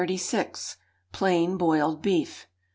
Plain Boiled Beef.